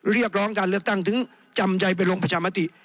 เรียกร้องการเลือกตั้งถึงจำใจไปลงประชามติ